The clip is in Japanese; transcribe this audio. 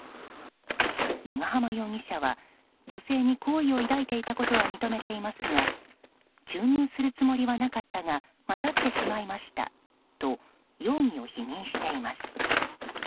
長浜容疑者は女性に、好意を抱いていたことは認めていますが注入するつもりはなかったが混ざってしまいましたと容疑を否認しています。